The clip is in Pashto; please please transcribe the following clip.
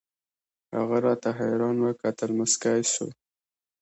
هغه راته حيران وكتل موسكى سو.